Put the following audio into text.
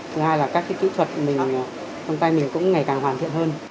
thứ hai là các kỹ thuật mình trong tay mình cũng ngày càng hoàn thiện hơn